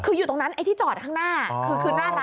คืออยู่ตรงนั้นไอ้ที่จอดข้างหน้าคือหน้าร้าน